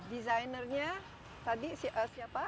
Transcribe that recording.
desainernya tadi siapa